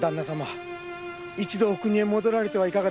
一度お国へ戻られてはいかがですか。